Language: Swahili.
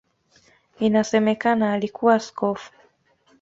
Inasemekana alikuwa askofu.